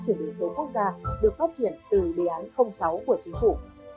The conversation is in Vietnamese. chuẩn bị số quốc gia được phát triển từ đề án sáu của chính phủ